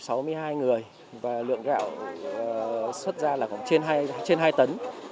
chúng tôi có một trăm sáu mươi hai người và lượng gạo xuất ra là khoảng trên hai tấn